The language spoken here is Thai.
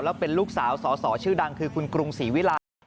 แล้วเป็นลูกสาวสอสอชื่อดังคือคุณกรุงศรีวิลัย